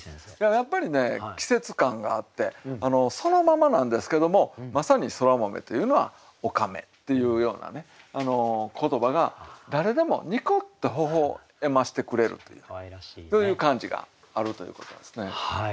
やっぱりね季節感があってそのままなんですけどもまさにそら豆というのはおかめっていうような言葉が誰でもニコッとほほ笑ましてくれるというそういう感じがあるということですね。